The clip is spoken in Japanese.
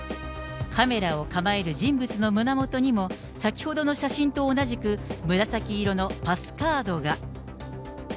カメラを構える人物の胸元にも、先ほどの写真と同じく、紫色のパスカードが。